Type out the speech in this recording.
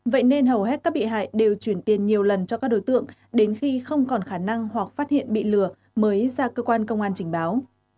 vậy nên hầu hết các bị hại đều chuyển tiền nhiều lần cho các đối tượng đến khi không còn khả năng hoặc phát hiện bị lừa mới ra cơ quan công an trình báo